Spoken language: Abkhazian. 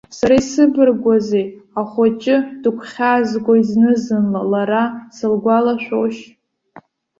Сара исыбаргыузеи, ахәыҷы дыгәхьаазгоит зны-зынла, лара сылгәалашәоушь?